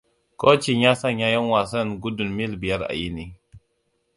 Kocin ya sanya ƴan wasan gudun mil biyar a wuni.